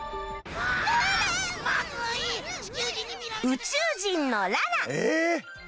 宇宙人のララ